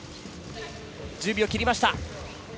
１０秒切りました。